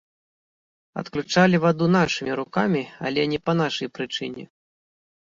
Адключалі ваду нашымі рукамі, але не па нашай прычыне!